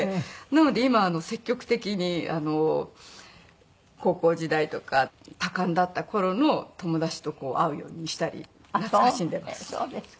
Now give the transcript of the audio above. なので今積極的に高校時代とか多感だった頃の友達と会うようにしたり懐かしんでます。